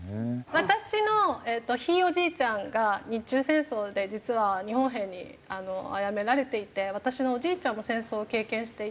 私のひいおじいちゃんが日中戦争で実は日本兵にあやめられていて私のおじいちゃんも戦争を経験していて。